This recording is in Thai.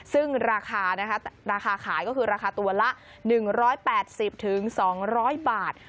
ซึ่งราคานะคะราคาขายก็คือราคาตัวละ๑๘๐๒๐๐บาท